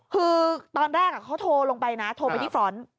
คือตอนแรกเขาโทรลงไปนะโทรไปที่ฟรอนต์